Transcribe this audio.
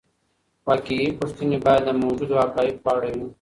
واقعي پوښتنې باید د موجودو حقایقو په اړه وي.